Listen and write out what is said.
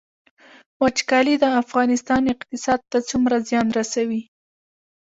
وچکالي د افغانستان اقتصاد ته څومره زیان رسوي؟